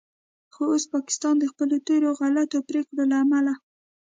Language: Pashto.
خو اوس پاکستان د خپلو تیرو غلطو پریکړو له امله